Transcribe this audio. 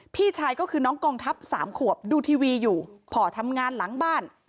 พี่ชายก็คือน้องกองทัพ๓ขวบดูทีวีอยู่พอทำงานหลังบ้าน